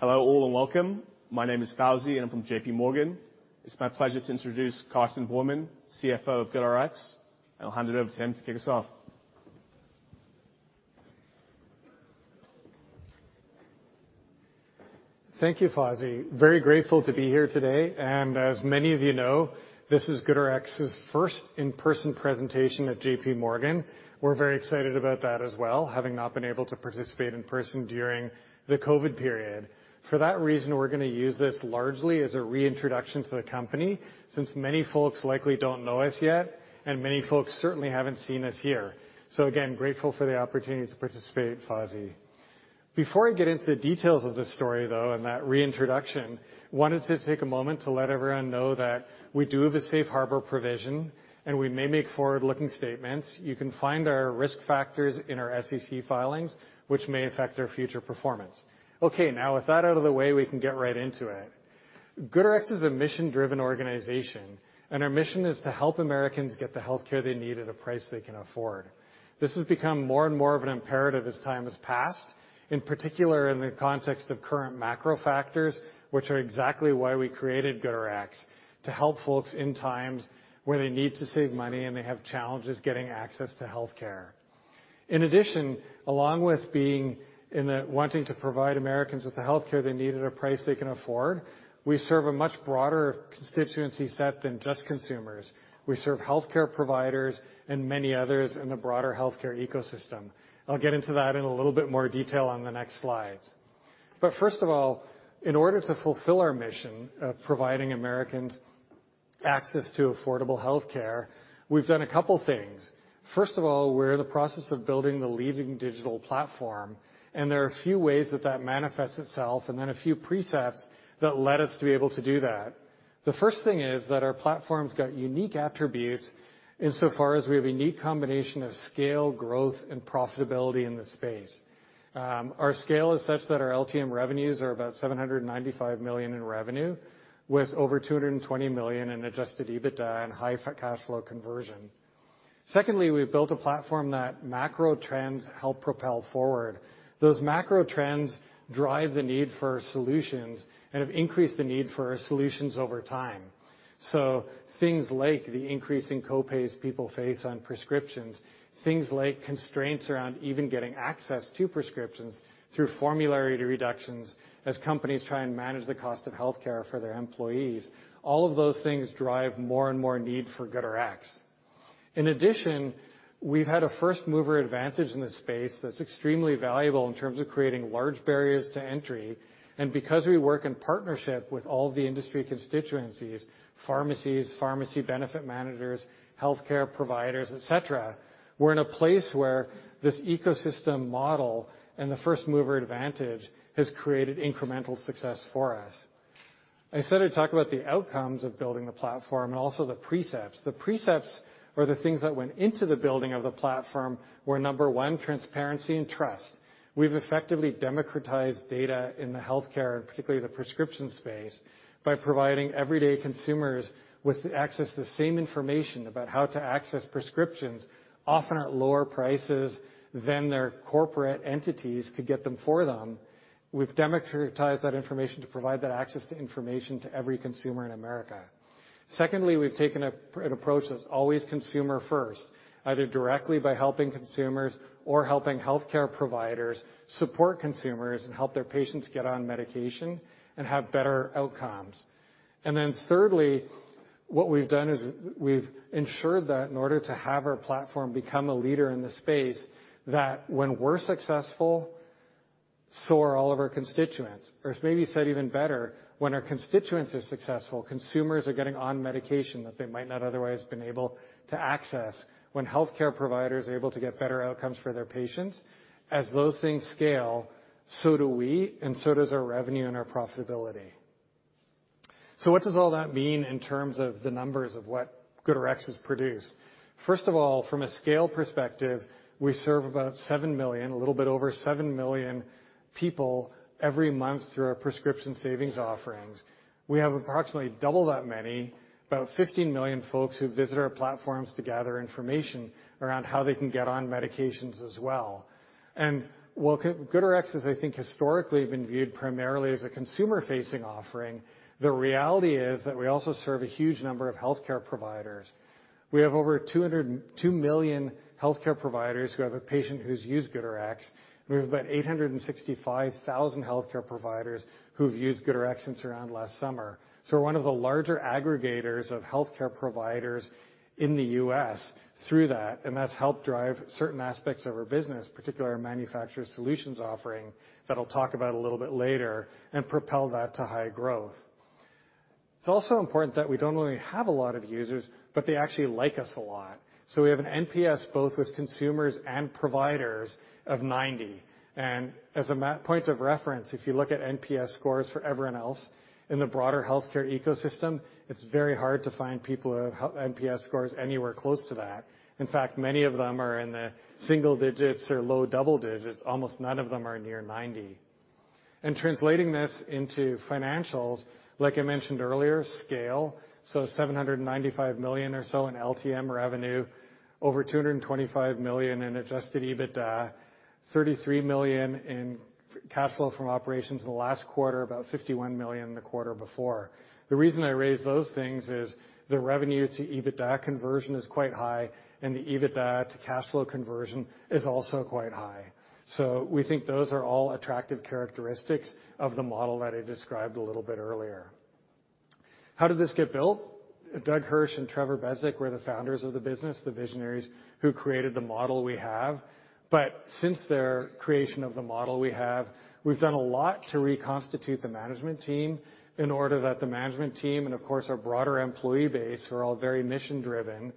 Hello all, and welcome. My name is Fawzi, and I'm from JPMorgan. It's my pleasure to introduce Karsten Voermann, CFO of GoodRx, and I'll hand it over to him to kick us off. Thank you, Fawzi. Very grateful to be here today. As many of you know, this is GoodRx's first in-person presentation at JPMorgan. We're very excited about that as well, having not been able to participate in person during the COVID period. For that reason, we're gonna use this largely as a reintroduction to the company since many folks likely don't know us yet, and many folks certainly haven't seen us here. Again, grateful for the opportunity to participate, Fawzi. Before I get into the details of this story, though, and that reintroduction, wanted to take a moment to let everyone know that we do have a safe harbor provision, and we may make forward-looking statements. You can find our risk factors in our SEC filings, which may affect our future performance. Okay. Now, with that out of the way, we can get right into it. GoodRx is a mission-driven organization, and our mission is to help Americans get the healthcare they need at a price they can afford. This has become more and more of an imperative as time has passed, in particular in the context of current macro factors, which are exactly why we created GoodRx, to help folks in times where they need to save money and they have challenges getting access to healthcare. In addition, along with wanting to provide Americans with the healthcare they need at a price they can afford, we serve a much broader constituency set than just consumers. We serve healthcare providers and many others in the broader healthcare ecosystem. I'll get into that in a little bit more detail on the next slides. First of all, in order to fulfill our mission of providing Americans access to affordable healthcare, we've done a couple things. First of all, we're in the process of building the leading digital platform, and there are a few ways that that manifests itself, and then a few precepts that led us to be able to do that. The first thing is that our platform's got unique attributes insofar as we have a unique combination of scale, growth, and profitability in this space. Our scale is such that our LTM revenues are about $795 million in revenue, with over $220 million in Adjusted EBITDA and high cash flow conversion. Secondly, we've built a platform that macro trends help propel forward. Those macro trends drive the need for solutions and have increased the need for our solutions over time. Things like the increase in copays people face on prescriptions, things like constraints around even getting access to prescriptions through formulary reductions as companies try and manage the cost of healthcare for their employees. All of those things drive more and more need for GoodRx. In addition, we've had a first-mover advantage in this space that's extremely valuable in terms of creating large barriers to entry. Because we work in partnership with all the industry constituencies, pharmacies, Pharmacy Benefit Managers, healthcare providers, et cetera, we're in a place where this ecosystem model and the first-mover advantage has created incremental success for us. I said I'd talk about the outcomes of building the platform and also the precepts. The precepts or the things that went into the building of the platform were, number one, transparency and trust. We've effectively democratized data in the healthcare, and particularly the prescription space, by providing everyday consumers with access to the same information about how to access prescriptions, often at lower prices than their corporate entities could get them for them. We've democratized that information to provide that access to information to every consumer in America. Secondly, we've taken an approach that's always consumer first, either directly by helping consumers or helping healthcare providers support consumers and help their patients get on medication and have better outcomes. Thirdly, what we've done is we've ensured that in order to have our platform become a leader in the space, that when we're successful, so are all of our constituents. Maybe said even better, when our constituents are successful, consumers are getting on medication that they might not otherwise been able to access when healthcare providers are able to get better outcomes for their patients. As those things scale, so do we, and so does our revenue and our profitability. What does all that mean in terms of the numbers of what GoodRx has produced? First of all, from a scale perspective, we serve about 7 million, a little bit over 7 million people every month through our prescription savings offerings. We have approximately double that many, about 15 million folks who visit our platforms to gather information around how they can get on medications as well. While GoodRx has, I think, historically been viewed primarily as a consumer-facing offering, the reality is that we also serve a huge number of healthcare providers. We have over 202 million healthcare providers who have a patient who's used GoodRx, and we have about 865,000 healthcare providers who've used GoodRx since around last summer. We're one of the larger aggregators of healthcare providers in the U.S. through that, and that's helped drive certain aspects of our business, particularly our manufacturer solutions offering that I'll talk about a little bit later, and propel that to high growth. It's also important that we don't only have a lot of users, but they actually like us a lot. We have an NPS both with consumers and providers of 90. As a point of reference, if you look at NPS scores for everyone else in the broader healthcare ecosystem, it's very hard to find people who have NPS scores anywhere close to that. In fact, many of them are in the single digits or low double digits. Almost none of them are near 90. Translating this into financials, like I mentioned earlier, scale. 795 million or so in LTM revenue, over $225 million in Adjusted EBITDA. $33 million in f-cash flow from operations the last quarter, about $51 million the quarter before. The reason I raise those things is the revenue to EBITDA conversion is quite high, and the EBITDA to cash flow conversion is also quite high. We think those are all attractive characteristics of the model that I described a little bit earlier. How did this get built? Doug Hirsch and Trevor Bezdek were the founders of the business, the visionaries who created the model we have. Since their creation of the model we have, we've done a lot to reconstitute the management team in order that the management team, and of course our broader employee base, who are all very mission-driven,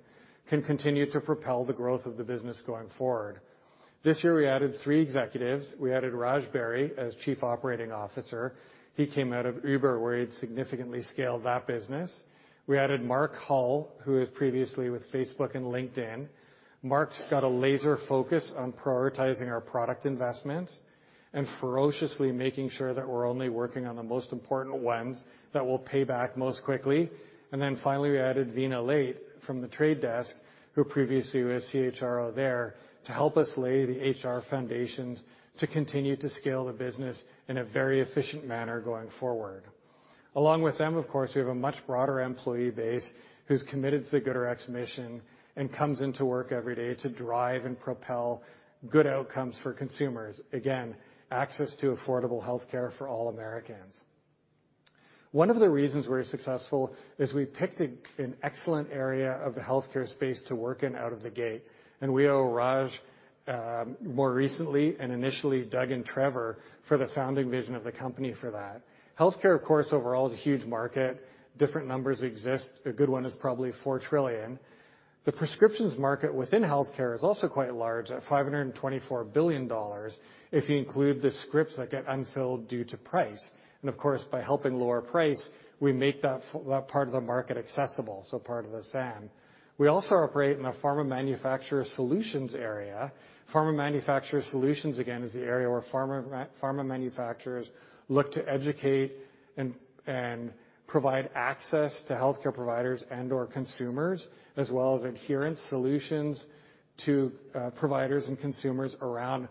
can continue to propel the growth of the business going forward. This year, we added three executives. We added Raj Beri as chief operating officer. He came out of Uber, where he'd significantly scaled that business. We added Mark Hull, who was previously with Facebook and LinkedIn. Mark's got a laser focus on prioritizing our product investments and ferociously making sure that we're only working on the most important ones that will pay back most quickly. Finally, we added Vina Leite from The Trade Desk, who previously was CHRO there, to help us lay the HR foundations to continue to scale the business in a very efficient manner going forward. Along with them, of course, we have a much broader employee base who's committed to GoodRx mission and comes into work every day to drive and propel good outcomes for consumers. Again, access to affordable healthcare for all Americans. One of the reasons we're successful is we picked an excellent area of the healthcare space to work in out of the gate, and we owe Raj more recently and initially, Doug and Trevor for the founding vision of the company for that. Healthcare, of course, overall is a huge market. Different numbers exist. A good one is probably $4 trillion. The prescriptions market within healthcare is also quite large at $524 billion if you include the scripts that get unfilled due to price. Of course, by helping lower price, we make that part of the market accessible, so part of the SAM. We also operate in the manufacturer solutions area. Manufacturer solutions, again, is the area where pharma manufacturers look to educate and provide access to healthcare providers and/or consumers, as well as adherence solutions to providers and consumers around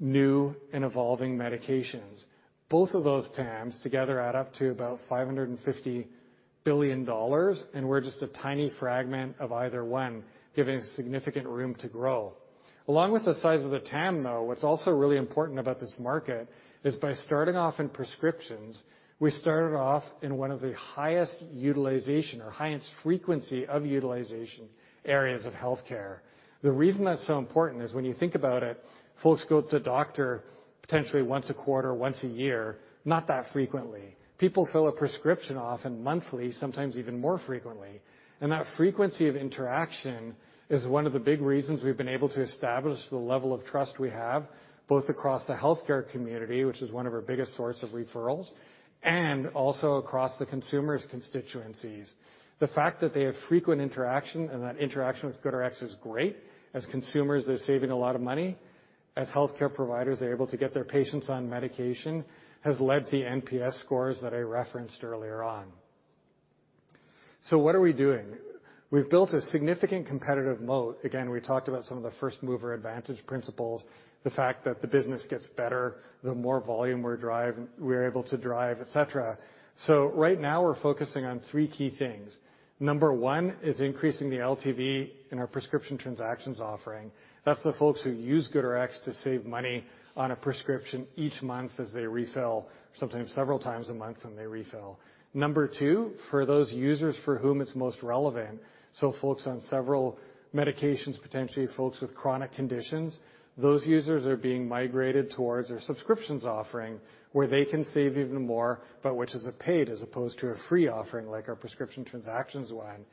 new and evolving medications. Both of those TAMs together add up to about $550 billion, we're just a tiny fragment of either one, giving significant room to grow. Along with the size of the TAM, though, what's also really important about this market is by starting off in prescriptions, we started off in one of the highest utilization or highest frequency of utilization areas of healthcare. The reason that's so important is when you think about it, folks go to the doctor potentially once a quarter, once a year, not that frequently. People fill a prescription often monthly, sometimes even more frequently. That frequency of interaction is one of the big reasons we've been able to establish the level of trust we have, both across the healthcare community, which is one of our biggest source of referrals, and also across the consumers' constituencies. The fact that they have frequent interaction and that interaction with GoodRx is great. As consumers, they're saving a lot of money. As healthcare providers, they're able to get their patients on medication, has led to the NPS scores that I referenced earlier on. What are we doing? We've built a significant competitive moat. We talked about some of the first-mover advantage principles, the fact that the business gets better the more volume we're able to drive, et cetera. Right now, we're focusing on 3 key things. Number 1 is increasing the LTV in our prescription transactions offering. That's the folks who use GoodRx to save money on a prescription each month as they refill, sometimes several times a month when they refill. Number 2, for those users for whom it's most relevant, so folks on several medications, potentially folks with chronic conditions, those users are being migrated towards their subscriptions offering where they can save even more, but which is a paid as opposed to a free offering like our prescription transactions one.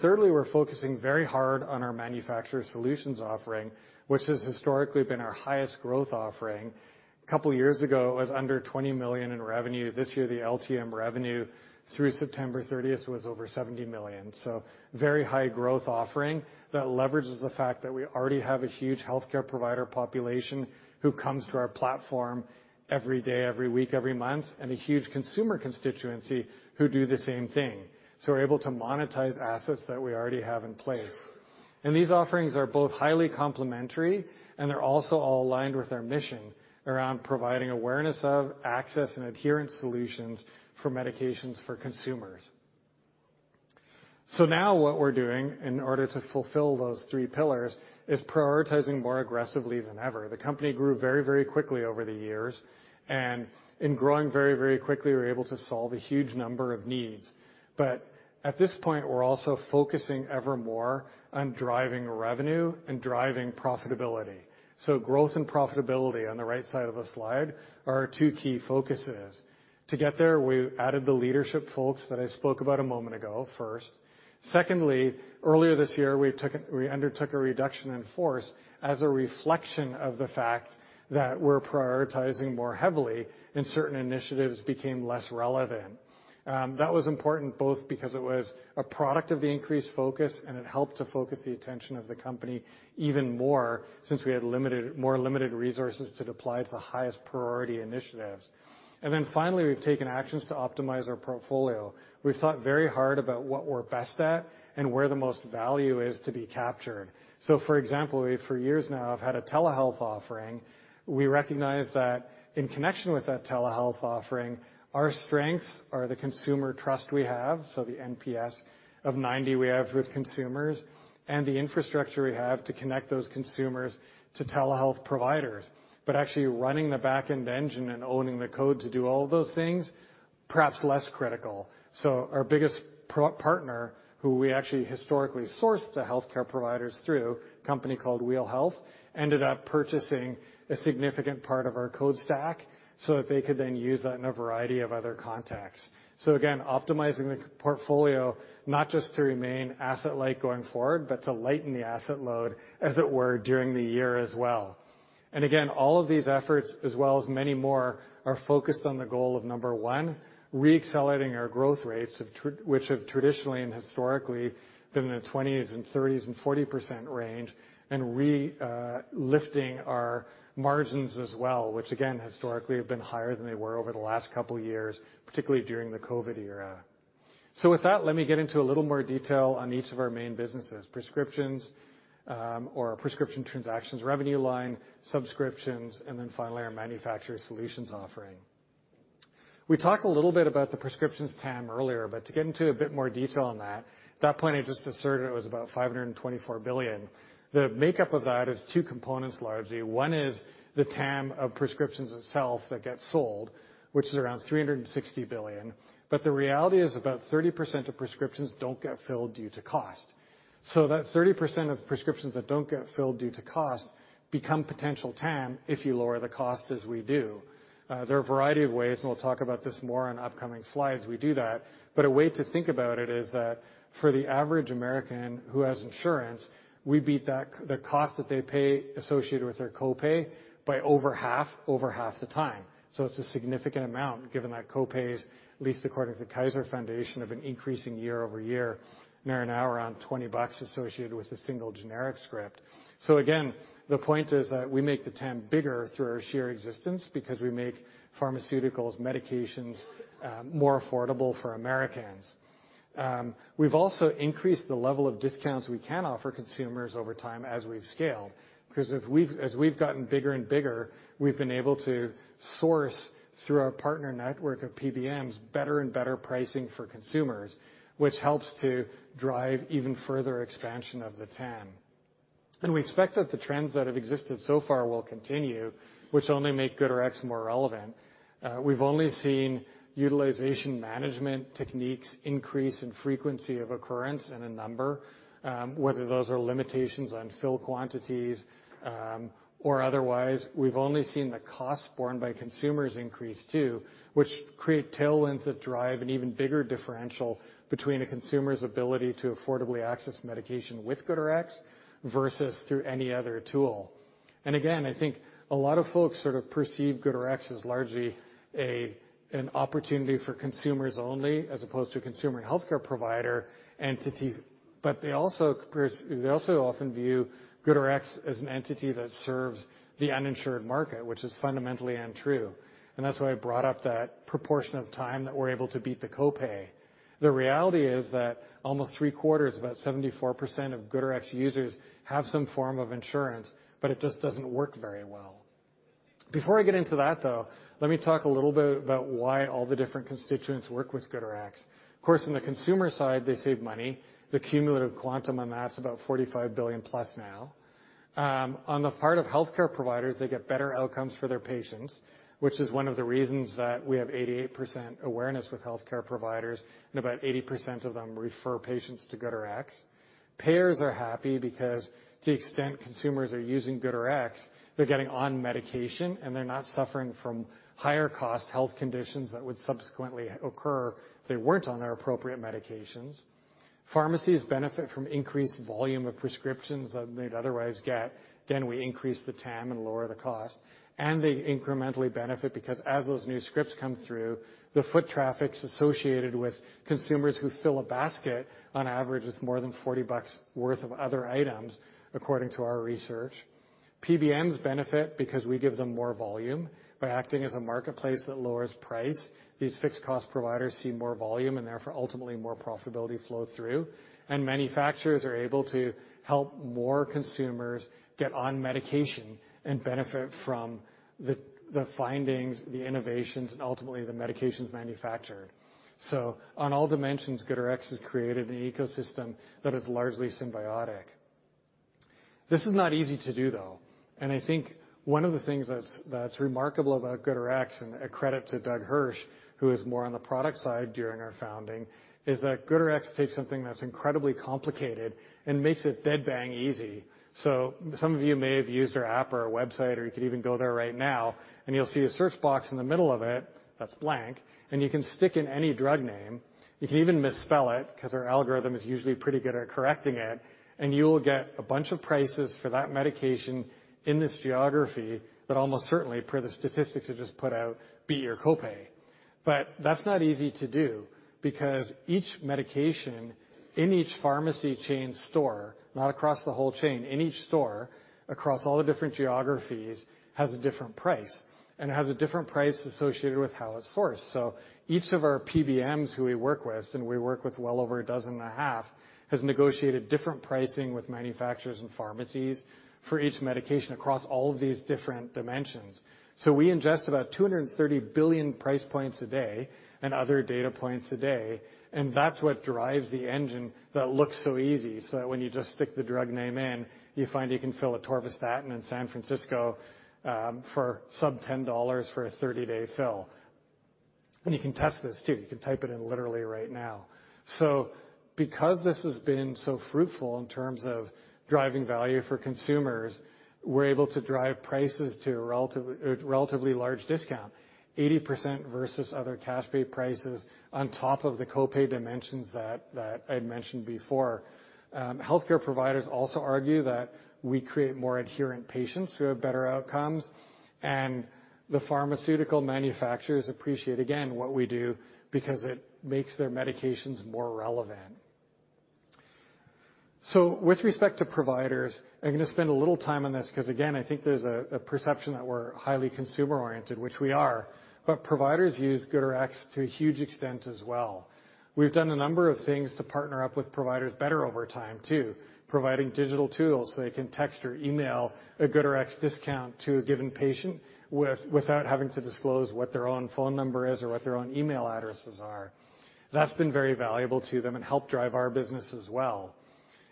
Thirdly, we're focusing very hard on our manufacturer solutions offering, which has historically been our highest growth offering. A couple years ago, it was under $20 million in revenue. This year, the LTM revenue through September 30th was over $70 million. Very high growth offering that leverages the fact that we already have a huge healthcare provider population who comes to our platform every day, every week, every month, and a huge consumer constituency who do the same thing. We're able to monetize assets that we already have in place. These offerings are both highly complementary, and they're also all aligned with our mission around providing awareness of access and adherence solutions for medications for consumers. Now what we're doing in order to fulfill those three pillars is prioritizing more aggressively than ever. The company grew very, very quickly over the years. In growing very, very quickly, we were able to solve a huge number of needs. At this point, we're also focusing evermore on driving revenue and driving profitability. Growth and profitability on the right side of the slide are our two key focuses. To get there, we added the leadership folks that I spoke about a moment ago first. Secondly, earlier this year, we undertook a reduction in force as a reflection of the fact that we're prioritizing more heavily, and certain initiatives became less relevant. That was important both because it was a product of the increased focus, and it helped to focus the attention of the company even more since we had more limited resources to deploy to the highest priority initiatives. Finally, we've taken actions to optimize our portfolio. We've thought very hard about what we're best at and where the most value is to be captured. For example, we for years now have had a telehealth offering. We recognize that in connection with that telehealth offering, our strengths are the consumer trust we have, the NPS of 90 we have with consumers, and the infrastructure we have to connect those consumers to telehealth providers. Actually running the back-end engine and owning the code to do all those things, perhaps less critical. Our biggest partner, who we actually historically sourced the healthcare providers through, a company called Wheel Health, ended up purchasing a significant part of our code stack so that they could then use that in a variety of other contexts. Again, optimizing the portfolio, not just to remain asset-light going forward, but to lighten the asset load, as it were, during the year as well. Again, all of these efforts, as well as many more, are focused on the goal of, number one, re-accelerating our growth rates which have traditionally and historically been in the 20% and 30% and 40% range, and re-lifting our margins as well, which again, historically have been higher than they were over the last couple years, particularly during the COVID era. With that, let me get into a little more detail on each of our main businesses, prescriptions, or prescription transactions revenue line, subscriptions, and then finally our manufacturer solutions offering. We talked a little bit about the prescriptions TAM earlier. To get into a bit more detail on that, at that point, I just asserted it was about $524 billion. The makeup of that is two components, largely. One is the TAM of prescriptions itself that get sold, which is around $360 billion. The reality is about 30% of prescriptions don't get filled due to cost. That 30% of prescriptions that don't get filled due to cost become potential TAM if you lower the cost as we do. There are a variety of ways, and we'll talk about this more on upcoming slides we do that. A way to think about it is that for the average American who has insurance, we beat the cost that they pay associated with their copay by over half the time. It's a significant amount, given that copays, at least according to the Kaiser Family Foundation, have been increasing year-over-year. They're now around $20 associated with a single generic script. Again, the point is that we make the TAM bigger through our sheer existence because we make pharmaceuticals, medications, more affordable for Americans. We've also increased the level of discounts we can offer consumers over time as we've scaled. Cause as we've gotten bigger and bigger, we've been able to source through our partner network of PBMs better and better pricing for consumers, which helps to drive even further expansion of the TAM. We expect that the trends that have existed so far will continue, which only make GoodRx more relevant. We've only seen utilization management techniques increase in frequency of occurrence in a number, whether those are limitations on fill quantities, or otherwise. We've only seen the cost borne by consumers increase too, which create tailwinds that drive an even bigger differential between a consumer's ability to affordably access medication with GoodRx versus through any other tool. Again, I think a lot of folks sort of perceive GoodRx as largely an opportunity for consumers only as opposed to consumer healthcare provider entities. They also often view GoodRx as an entity that serves the uninsured market, which is fundamentally untrue. That's why I brought up that proportion of time that we're able to beat the copay. The reality is that almost three-quarters, about 74% of GoodRx users, have some form of insurance, but it just doesn't work very well. Before I get into that, though, let me talk a little bit about why all the different constituents work with GoodRx. Of course, on the consumer side, they save money. The cumulative quantum on that's about $45 billion+ now. On the part of healthcare providers, they get better outcomes for their patients, which is one of the reasons that we have 88% awareness with healthcare providers, and about 80% of them refer patients to GoodRx. Payers are happy because to the extent consumers are using GoodRx, they're getting on medication, and they're not suffering from higher cost health conditions that would subsequently occur if they weren't on their appropriate medications. Pharmacies benefit from increased volume of prescriptions than they'd otherwise get. Again, we increase the TAM and lower the cost. They incrementally benefit because as those new scripts come through, the foot traffic's associated with consumers who fill a basket on average with more than $40 worth of other items, according to our research. PBMs benefit because we give them more volume. By acting as a marketplace that lowers price, these fixed cost providers see more volume and therefore ultimately more profitability flow through. Manufacturers are able to help more consumers get on medication and benefit from the findings, the innovations, and ultimately the medications manufactured. On all dimensions, GoodRx has created an ecosystem that is largely symbiotic. This is not easy to do, though. I think one of the things that's remarkable about GoodRx and a credit to Doug Hirsch, who was more on the product side during our founding, is that GoodRx takes something that's incredibly complicated and makes it dead bang easy. Some of you may have used our app or our website, or you could even go there right now, and you'll see a search box in the middle of it that's blank, and you can stick in any drug name. You can even misspell it because our algorithm is usually pretty good at correcting it. You will get a bunch of prices for that medication in this geography that almost certainly, per the statistics I just put out, beat your copay. That's not easy to do because each medication in each pharmacy chain store, not across the whole chain, in each store across all the different geographies, has a different price, and it has a different price associated with how it's sourced. Each of our PBMs who we work with, and we work with well over a dozen and a half, has negotiated different pricing with manufacturers and pharmacies for each medication across all of these different dimensions. We ingest about 230 billion price points a day and other data points a day, and that's what drives the engine that looks so easy. When you just stick the drug name in, you find you can fill a atorvastatin in San Francisco for sub $10 for a 30-day fill. You can test this too. You can type it in literally right now. Because this has been so fruitful in terms of driving value for consumers, we're able to drive prices to a relatively large discount, 80% versus other cash pay prices on top of the copay dimensions that I'd mentioned before. Healthcare providers also argue that we create more adherent patients who have better outcomes. The pharmaceutical manufacturers appreciate, again, what we do because it makes their medications more relevant. With respect to providers, I'm gonna spend a little time on this 'cause, again, I think there's a perception that we're highly consumer-oriented, which we are, but providers use GoodRx to a huge extent as well. We've done a number of things to partner up with providers better over time too, providing digital tools so they can text or email a GoodRx discount to a given patient without having to disclose what their own phone number is or what their own email addresses are. That's been very valuable to them and helped drive our business as well.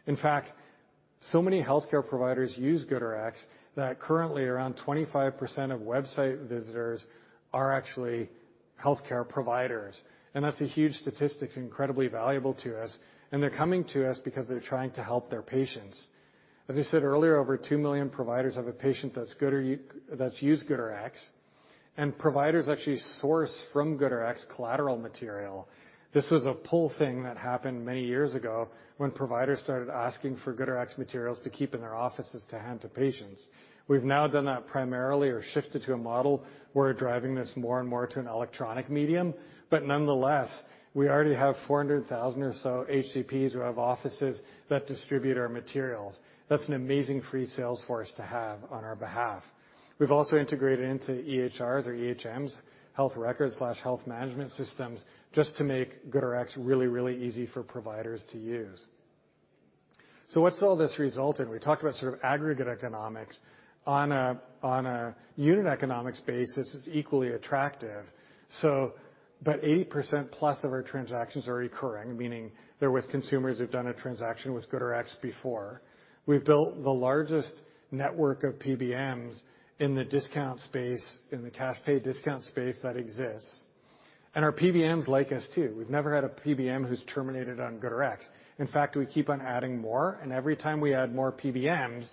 In fact, so many healthcare providers use GoodRx that currently, around 25% of website visitors are actually healthcare providers. That's a huge statistic. It's incredibly valuable to us, and they're coming to us because they're trying to help their patients. As I said earlier, over 2 million providers have a patient that's used GoodRx, and providers actually source from GoodRx collateral material. This was a pull thing that happened many years ago when providers started asking for GoodRx materials to keep in their offices to hand to patients. We've now done that primarily or shifted to a model where we're driving this more and more to an electronic medium. Nonetheless, we already have 400,000 or so HCPs who have offices that distribute our materials. That's an amazing free sales force to have on our behalf. We've also integrated into EHRs or EHM, health records/health management systems, just to make GoodRx really, really easy for providers to use. What's all this result in? We talked about sort of aggregate economics. On a unit economics basis, it's equally attractive. About 80% plus of our transactions are recurring, meaning they're with consumers who've done a transaction with GoodRx before. We've built the largest network of PBMs in the discount space, in the cash pay discount space that exists. Our PBMs like us too. We've never had a PBM who's terminated on GoodRx. In fact, we keep on adding more, every time we add more PBMs,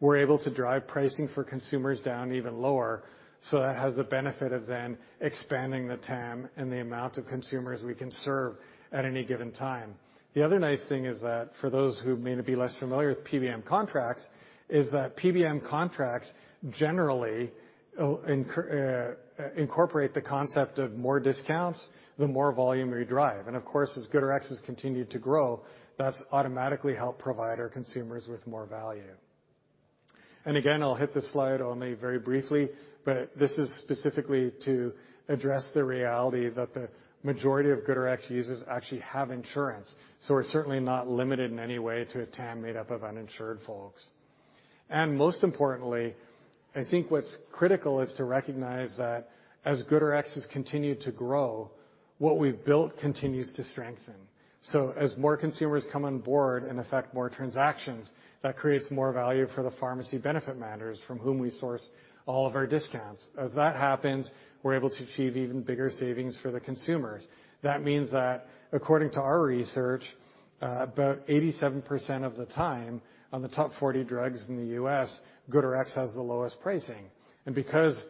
we're able to drive pricing for consumers down even lower. That has the benefit of then expanding the TAM and the amount of consumers we can serve at any given time. The other nice thing is that for those who may be less familiar with PBM contracts, is that PBM contracts generally incorporate the concept of more discounts the more volume you drive. Of course, as GoodRx has continued to grow, that's automatically helped provide our consumers with more value. Again, I'll hit this slide only very briefly, but this is specifically to address the reality that the majority of GoodRx users actually have insurance. We're certainly not limited in any way to a TAM made up of uninsured folks. Most importantly, I think what's critical is to recognize that as GoodRx has continued to grow, what we've built continues to strengthen. As more consumers come on board and affect more transactions, that creates more value for the pharmacy benefit managers from whom we source all of our discounts. As that happens, we're able to achieve even bigger savings for the consumers. That means that according to our research, about 87% of the time on the top 40 drugs in the US, GoodRx has the lowest pricing. Because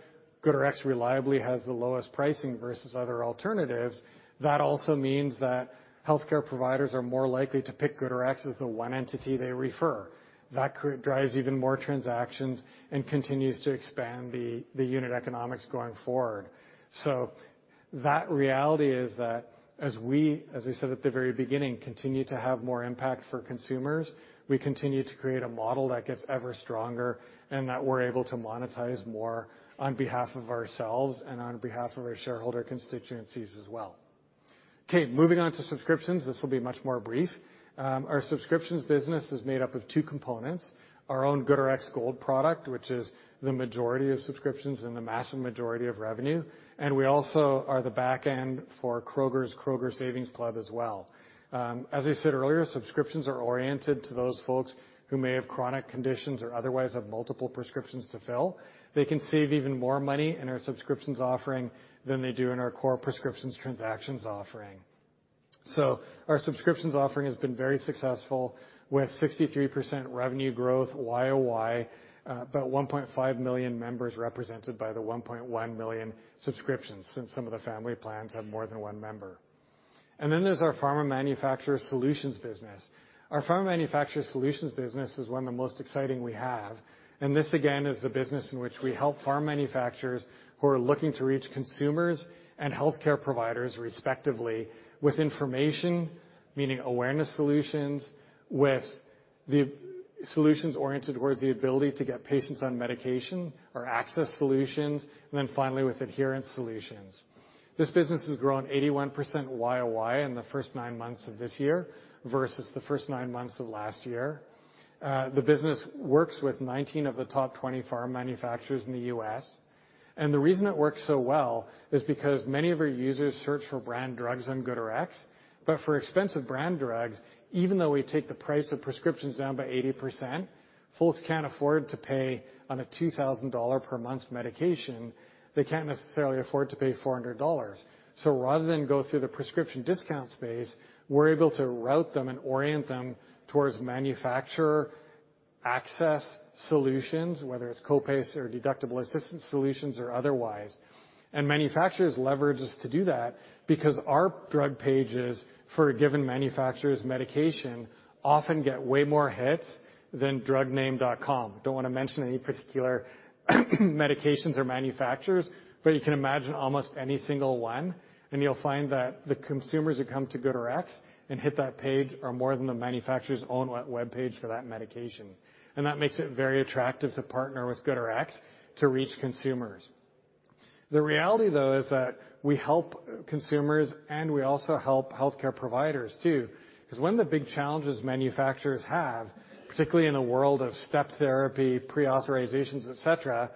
GoodRx reliably has the lowest pricing versus other alternatives, that also means that healthcare providers are more likely to pick GoodRx as the one entity they refer. That drives even more transactions and continues to expand the unit economics going forward. That reality is that as we, as I said at the very beginning, continue to have more impact for consumers, we continue to create a model that gets ever stronger and that we're able to monetize more on behalf of ourselves and on behalf of our shareholder constituencies as well. Okay, moving on to subscriptions. This will be much more brief. Our subscriptions business is made up of two components, our own GoodRx Gold product, which is the majority of subscriptions and the massive majority of revenue. We also are the back end for Kroger's Kroger Rx Savings Club as well. As I said earlier, subscriptions are oriented to those folks who may have chronic conditions or otherwise have multiple prescriptions to fill. They can save even more money in our subscriptions offering than they do in our core prescriptions transactions offering. Our subscriptions offering has been very successful with 63% revenue growth Y-o-Y, about 1.5 million members represented by the 1.1 million subscriptions since some of the family plans have more than one member. There's our pharma manufacturer solutions business. Our pharma manufacturer solutions business is one of the most exciting we have, and this again is the business in which we help pharma manufacturers who are looking to reach consumers and healthcare providers respectively with information, meaning awareness solutions, with the solutions oriented towards the ability to get patients on medication or access solutions, finally with adherence solutions. This business has grown 81% Y-o-Y in the first 9 months of this year versus the first 9 months of last year. The business works with 19 of the top 20 pharma manufacturers in the US. The reason it works so well is because many of our users search for brand drugs on GoodRx, but for expensive brand drugs, even though we take the price of prescriptions down by 80%, folks can't afford to pay on a $2,000 per month medication. They can't necessarily afford to pay $400. Rather than go through the prescription discount space, we're able to route them and orient them towards manufacturer access solutions, whether it's co-pays or deductible assistance solutions or otherwise. Manufacturers leverage us to do that because our drug pages for a given manufacturer's medication often get way more hits than drug name dot com. Don't wanna mention any particular medications or manufacturers, but you can imagine almost any single one, and you'll find that the consumers who come to GoodRx and hit that page are more than the manufacturer's own we-webpage for that medication. That makes it very attractive to partner with GoodRx to reach consumers. The reality, though, is that we help consumers and we also help healthcare providers too 'cause one of the big challenges manufacturers have, particularly in a world of step therapy, pre-authorizations, et cetera,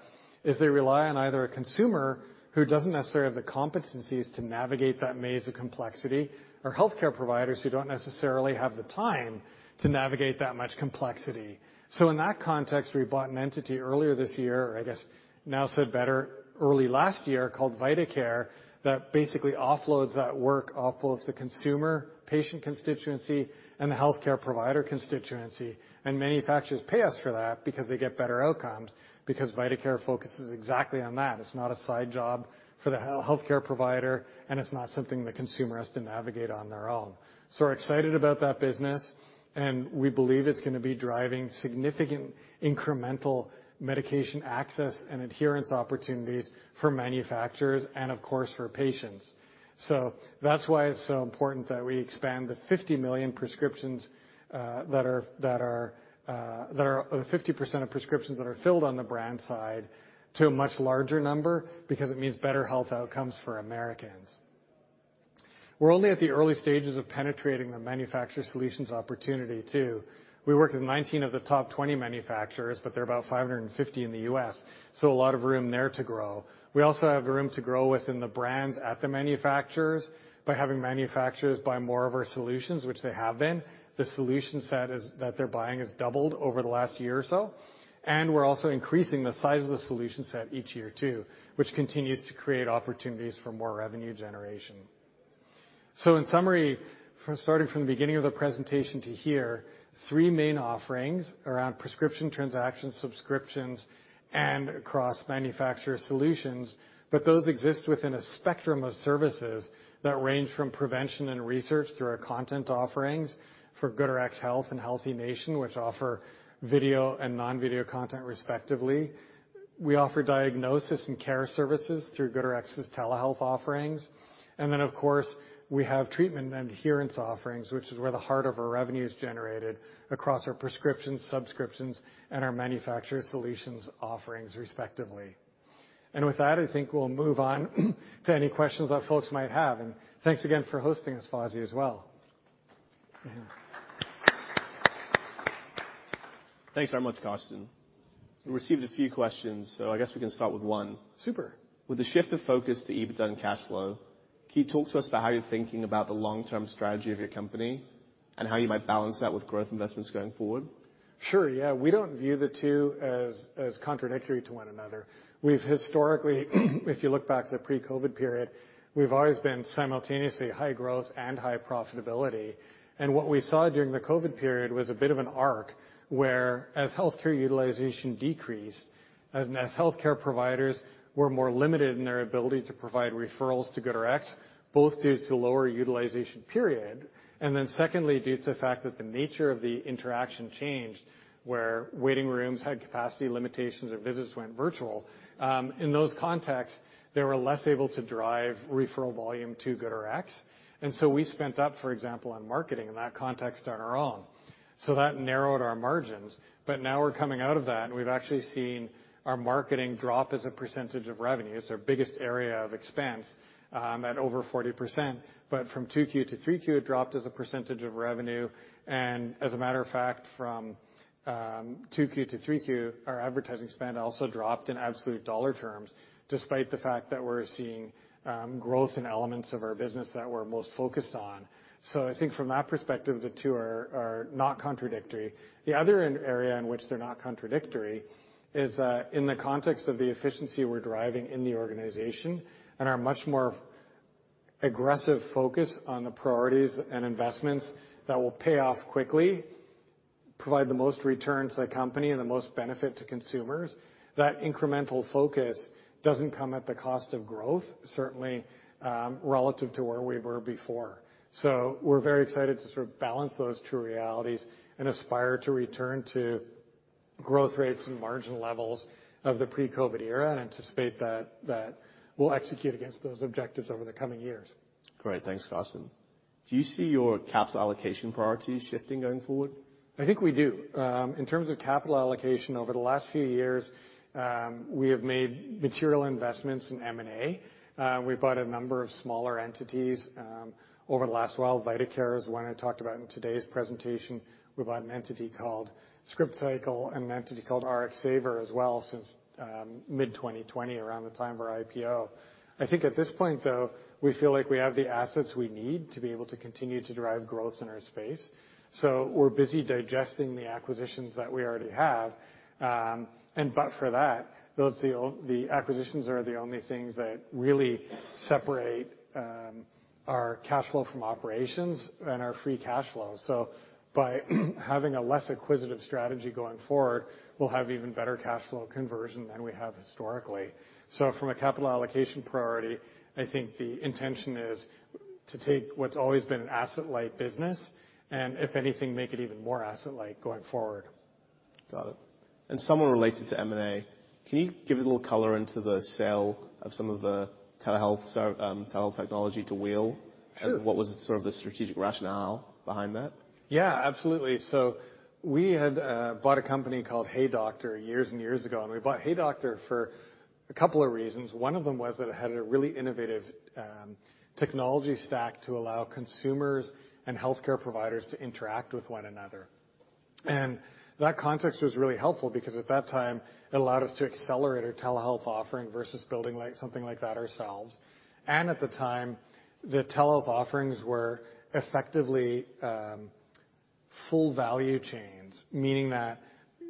is they rely on either a consumer who doesn't necessarily have the competencies to navigate that maze of complexity or healthcare providers who don't necessarily have the time to navigate that much complexity. In that context, we bought an entity earlier this year, or I guess now said better, early last year called vitaCare, that basically offloads that work off both the consumer patient constituency and the healthcare provider constituency. Manufacturers pay us for that because they get better outcomes because vitaCare focuses exactly on that. It's not a side job for the healthcare provider, and it's not something the consumer has to navigate on their own. We're excited about that business, and we believe it's gonna be driving significant incremental medication access and adherence opportunities for manufacturers and, of course, for patients. That's why it's so important that we expand the 50 million prescriptions that are, or the 50% of prescriptions that are filled on the brand side to a much larger number because it means better health outcomes for Americans. We're only at the early stages of penetrating the manufacturer solutions opportunity too. We work with 19 of the top 20 manufacturers, but there are about 550 in the US, so a lot of room there to grow. We also have room to grow within the brands at the manufacturers by having manufacturers buy more of our solutions, which they have been. The solution set is, that they're buying has doubled over the last year or so. We're also increasing the size of the solution set each year too, which continues to create opportunities for more revenue generation. In summary, from starting from the beginning of the presentation to here, three main offerings around prescription transactions, subscriptions, and across manufacturer solutions. Those exist within a spectrum of services that range from prevention and research through our content offerings for GoodRx Health and HealthiNation, which offer video and non-video content respectively. We offer diagnosis and care services through GoodRx's telehealth offerings. Of course, we have treatment and adherence offerings, which is where the heart of our revenue is generated across our prescriptions, subscriptions, and our manufacturer solutions offerings respectively. With that, I think we'll move on to any questions that folks might have. Thanks again for hosting us, Fawzi, as well. Thanks so much, Karsten. We received a few questions, so I guess we can start with one. Super. With the shift of focus to EBITDA and cash flow, can you talk to us about how you're thinking about the long-term strategy of your company and how you might balance that with growth investments going forward? Sure, yeah. We don't view the two as contradictory to one another. We've historically, if you look back to the pre-COVID period, we've always been simultaneously high growth and high profitability. What we saw during the COVID period was a bit of an arc, where as healthcare utilization decreased, as healthcare providers were more limited in their ability to provide referrals to GoodRx, both due to the lower utilization period, and then secondly, due to the fact that the nature of the interaction changed, where waiting rooms had capacity limitations or visits went virtual. In those contexts, they were less able to drive referral volume to GoodRx. We spent up, for example, on marketing in that context on our own. That narrowed our margins. Now we're coming out of that, and we've actually seen our marketing drop as a % of revenue. It's our biggest area of expense, at over 40%. From 2Q to 3Q, it dropped as a percentage of revenue, and as a matter of fact, from, 2Q to 3Q, our advertising spend also dropped in absolute dollar terms despite the fact that we're seeing, growth in elements of our business that we're most focused on. I think from that perspective, the two are not contradictory. The other area in which they're not contradictory is that in the context of the efficiency we're driving in the organization and our much more aggressive focus on the priorities and investments that will pay off quickly, provide the most return to the company and the most benefit to consumers. That incremental focus doesn't come at the cost of growth, certainly, relative to where we were before. We're very excited to sort of balance those two realities and aspire to return to growth rates and margin levels of the pre-COVID era, and anticipate that we'll execute against those objectives over the coming years. Great. Thanks, Karsten. Do you see your capital allocation priorities shifting going forward? I think we do. In terms of capital allocation over the last few years, we have made material investments in M&A. We bought a number of smaller entities, over the last while. vitaCare is one I talked about in today's presentation. We bought an entity called Scriptcycle and an entity called RxSaver as well since, mid-2020 around the time of our IPO. I think at this point, though, we feel like we have the assets we need to be able to continue to drive growth in our space. We're busy digesting the acquisitions that we already have. For that, those are the acquisitions are the only things that really separate, our cash flow from operations and our free cash flow. By having a less acquisitive strategy going forward, we'll have even better cash flow conversion than we have historically. From a capital allocation priority, I think the intention is to take what's always been an asset-light business and, if anything, make it even more asset-light going forward. Got it. Somewhat related to M&A. Can you give a little color into the sale of some of the telehealth technology to Wheel? Sure. What was the sort of the strategic rationale behind that? Absolutely. We had bought a company called HeyDoctor years and years ago. We bought HeyDoctor for a couple of reasons. One of them was that it had a really innovative technology stack to allow consumers and healthcare providers to interact with one another. That context was really helpful because at that time, it allowed us to accelerate our telehealth offering versus building like something like that ourselves. At the time, the telehealth offerings were effectively full value chains, meaning that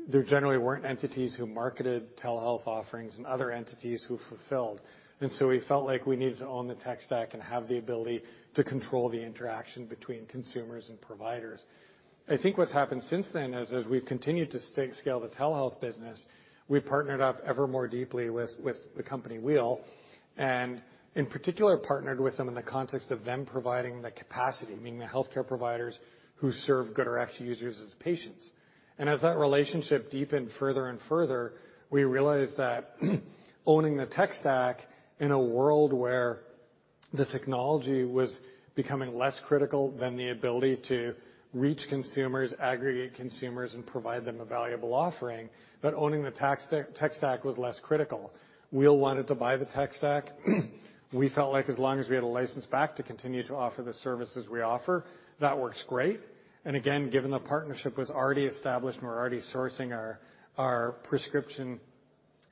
there generally weren't entities who marketed telehealth offerings and other entities who fulfilled. We felt like we needed to own the tech stack and have the ability to control the interaction between consumers and providers. I think what's happened since then is as we've continued to scale the telehealth business, we've partnered up ever more deeply with the company Wheel and in particular partnered with them in the context of them providing the capacity, meaning the healthcare providers who serve GoodRx users as patients. As that relationship deepened further and further, we realized that owning the tech stack in a world where the technology was becoming less critical than the ability to reach consumers, aggregate consumers, and provide them a valuable offering, but owning the tech stack was less critical. Wheel wanted to buy the tech stack. We felt like as long as we had a license back to continue to offer the services we offer, that works great. Again, given the partnership was already established, we're already sourcing our prescription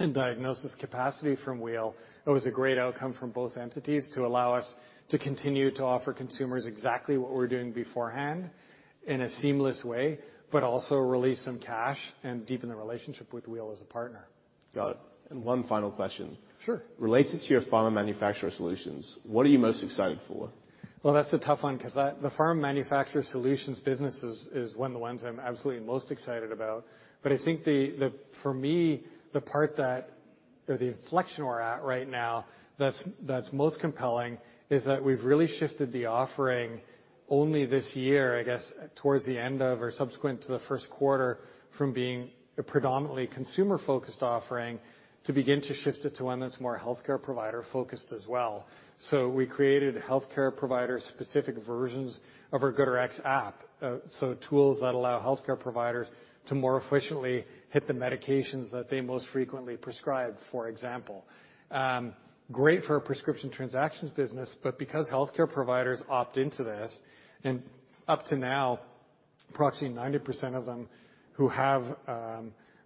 and diagnosis capacity from Wheel. It was a great outcome from both entities to allow us to continue to offer consumers exactly what we're doing beforehand in a seamless way, but also release some cash and deepen the relationship with Wheel as a partner. Got it. One final question. Sure. Related to your pharma manufacturer solutions, what are you most excited for? Well, that's the tough one because the pharma manufacturer solutions business is one of the ones I'm absolutely most excited about. I think the for me, the part that or the inflection we're at right now that's most compelling is that we've really shifted the offering only this year, I guess, towards the end of or subsequent to the first quarter, from being a predominantly consumer-focused offering to begin to shift it to one that's more healthcare provider focused as well. We created healthcare provider specific versions of our GoodRx app. Tools that allow healthcare providers to more efficiently hit the medications that they most frequently prescribe, for example. Great for a prescription transactions business. Because healthcare providers opt into this and up to now, approximately 90% of them who have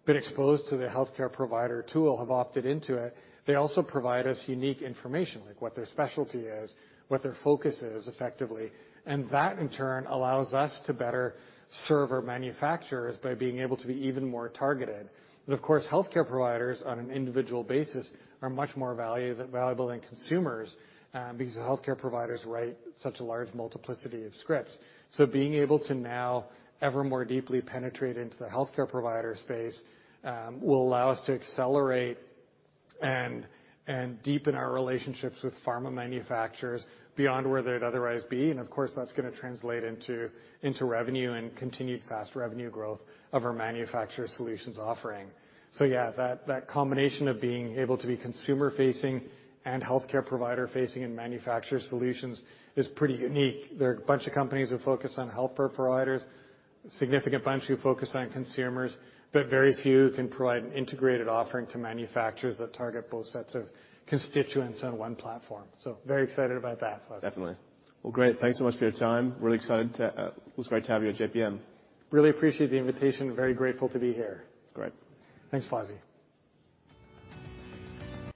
been exposed to the healthcare provider tool have opted into it. They also provide us unique information, like what their specialty is, what their focus is effectively, and that in turn allows us to better serve our manufacturers by being able to be even more targeted. Of course, healthcare providers on an individual basis are much more valuable than consumers, because the healthcare providers write such a large multiplicity of scripts. Being able to now ever more deeply penetrate into the healthcare provider space, will allow us to accelerate and deepen our relationships with pharma manufacturers beyond where they'd otherwise be. Of course, that's gonna translate into revenue and continued fast revenue growth of our manufacturer solutions offering. yeah, that combination of being able to be consumer facing and healthcare provider facing and manufacturer solutions is pretty unique. There are a bunch of companies who focus on healthcare providers, a significant bunch who focus on consumers, but very few can provide an integrated offering to manufacturers that target both sets of constituents on one platform. Very excited about that. Definitely. Well, great. Thanks so much for your time. Really excited to. It was great to have you at JPM. Really appreciate the invitation. Very grateful to be here. Great. Thanks, Fawzi.